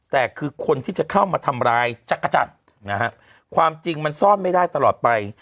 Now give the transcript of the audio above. แต่คือคนที่จะเข้ามาทำร้ายจักรจันทร์นะฮะความจริงมันซ่อนไม่ได้ตลอดไป